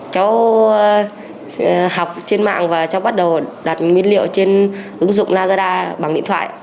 cháu học trên mạng và cháu bắt đầu đặt nguyên liệu trên ứng dụng lazada bằng điện thoại